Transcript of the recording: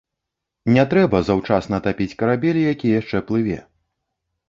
Не трэба заўчасна тапіць карабель, які яшчэ плыве.